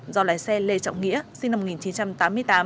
do lái xe lê trọng nghĩa sinh năm một nghìn chín trăm tám mươi tám